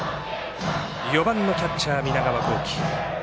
４番、キャッチャーの南川幸輝。